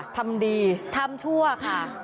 ทำดีทำชั่วค่ะ